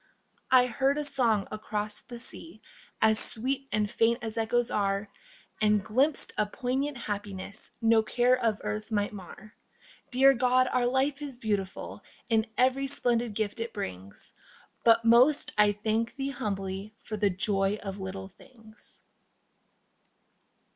I heard a song across the sea As sweet and faint as echoes are, And glimpsed a poignant happiness No care of earth might mar. Dear God, our life is beautiful In every splendid gift it brings, But most I thank Thee humbly for The joy of little things.